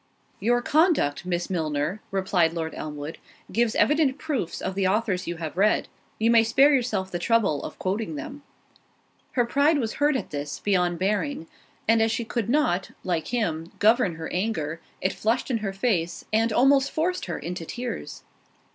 "Your conduct, Miss Milner," replied Lord Elmwood "gives evident proofs of the authors you have read; you may spare yourself the trouble of quoting them." Her pride was hurt at this, beyond bearing; and as she could not, like him, govern her anger, it flushed in her face, and almost forced her into tears.